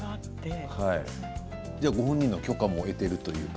ご本人の許可も得ているというか。